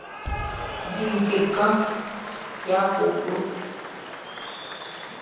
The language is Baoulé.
Di like kan ya koklo.